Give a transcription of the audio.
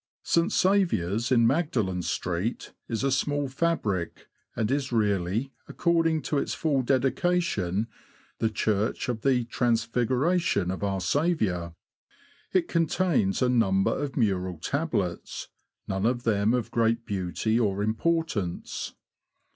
St. Saviour's, in Magdalen Street, is a small fabric, and is really, according to its full dedication, the Church of the Transfiguration of our Saviour. It contains a number of mural tablets, none of them of great beauty or importance.